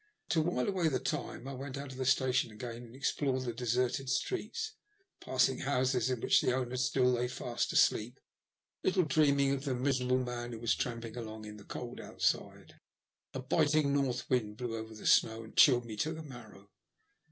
" To while away the time I went out of the station again and explored the deserted streets, passing houses in which the owners still lay fast asleep, little dreaming of the miserable man who was tramping along in the cold outside. A biting north wind blew over the snow, and chilled me to the marrow.